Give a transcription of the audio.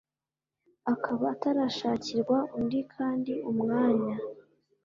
akaba atarashakirwa undi kandi umwanya